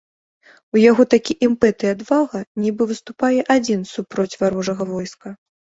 У яго такі імпэт і адвага нібы выступае адзін супроць варожага войска.